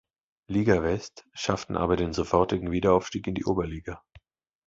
Liga West, schafften aber den sofortigen Wiederaufstieg in die Oberliga.